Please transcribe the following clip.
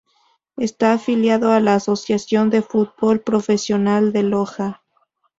Está afiliado a la Asociación de Fútbol Profesional de Loja.